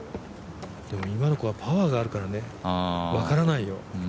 でも、今の子はパワーがあるかね、分からないよ。